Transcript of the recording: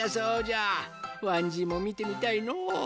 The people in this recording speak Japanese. わんじいもみてみたいのう。